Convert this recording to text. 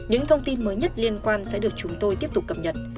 những thông tin mới nhất liên quan sẽ được chúng tôi tiếp tục cập nhật